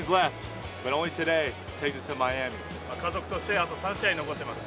家族として、あと３試合残っています。